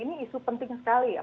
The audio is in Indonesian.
ini isu penting sekali